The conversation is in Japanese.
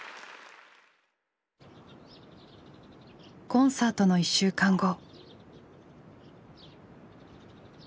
コンサートの１週間後。